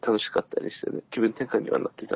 気分転換にはなってたんで。